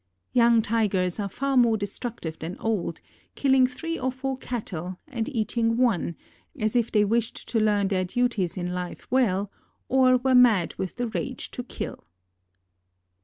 Young Tigers are far more destructive than old, killing three or four cattle and eating one, as if they wished to learn their duties in life well or were mad with the rage to kill.